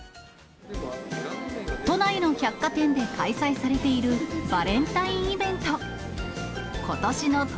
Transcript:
都内の百貨店で開催されているバレンタインイベント。